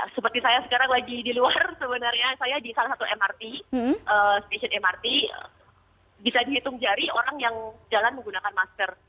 seperti saya sekarang lagi di luar sebenarnya saya di salah satu mrt stasiun mrt bisa dihitung jari orang yang jalan menggunakan masker